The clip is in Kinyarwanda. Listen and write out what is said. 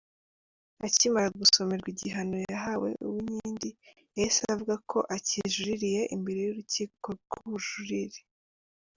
Akimara gusomerwa igihano yahawe, Uwinkindi yahise avuga ko akijuririye imbere y’urukiko rw’ubujurire.